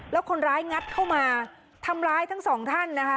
แล้วคนร้ายงัดเข้ามาทำร้ายทั้งสองท่านนะคะ